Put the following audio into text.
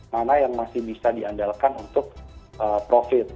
mana yang masih bisa diandalkan untuk profit